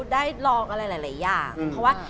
ได้ลองอะไรหลายอย่างเพราะว่า